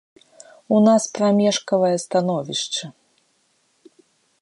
У нас прамежкавае становішча.